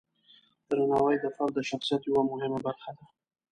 درناوی د فرد د شخصیت یوه مهمه برخه ده.